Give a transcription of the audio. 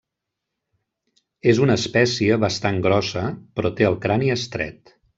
És una espècie bastant grossa, però té el crani estret.